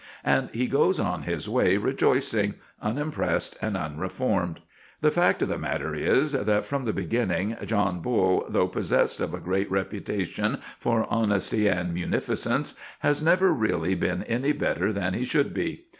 And he goes on his way rejoicing, unimpressed and unreformed. The fact of the matter is, that from the beginning, John Bull, though possessed of a great reputation for honesty and munificence, has never really been any better than he should be.